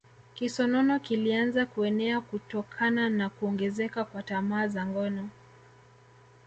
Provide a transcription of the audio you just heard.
Kisonono kilianza kuenea kutokana na kuongezeka kwa tamaa za ngono